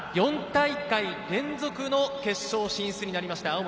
４大会連続の決勝進出になりました